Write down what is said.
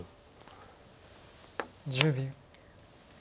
１０秒。